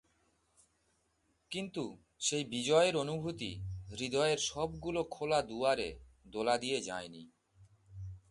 কিন্তু সেই বিজয়ের অনুভূতি হৃদয়ের সবগুলো খোলা দুয়ারে দোলা দিয়ে যায়নি।